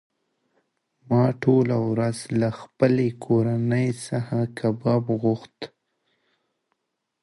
ما ټوله ورځ له خپلې کورنۍ څخه کباب غوښت.